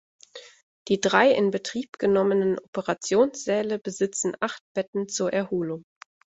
Die drei in Betrieb genommenen Operationssäle besitzen acht Betten zur Erholung.